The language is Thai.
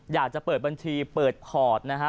อยากจะเปิดบัญชีเปิดพอร์ตนะฮะ